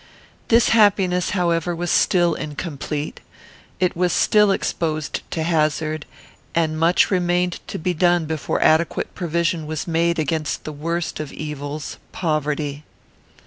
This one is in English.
This happiness, however, was still incomplete. It was still exposed to hazard, and much remained to be done before adequate provision was made against the worst of evils, poverty.